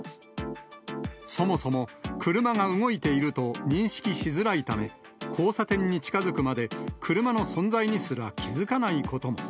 そもそも車が動いていると認識しづらいため、交差点に近づくまで、車の存在にすら、気付かないことも。